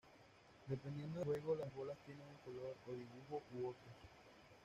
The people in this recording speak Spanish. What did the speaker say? Dependiendo del juego las bolas tienen un color o dibujo u otros.